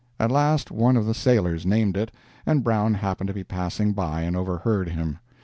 At last one of the sailors named it, and Brown happened to be passing by and overheard him.